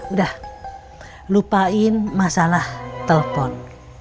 udah lupain masalah telpon